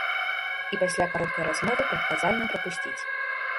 І пасля кароткай размовы прадказальна прапусціць.